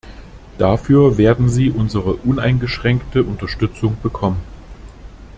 Dafür werden Sie unsere uneingeschränkte Unterstützung bekommen!